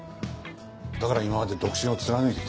だから今まで独身を貫いてきた。